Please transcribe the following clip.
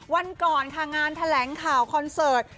วันก่อนค่ะงานแถลงข่าวคอนเสิร์ต